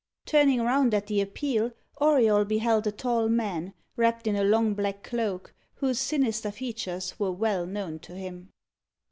Turning round at the appeal, Auriol beheld a tall man, wrapped in a long black cloak, whose sinister features were well known to him.